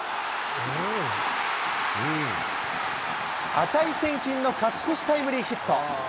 値千金の勝ち越しタイムリーヒット。